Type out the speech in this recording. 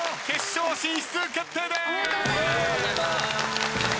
決勝進出決定です！